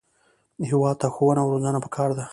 هېواد ته ښوونه او روزنه پکار ده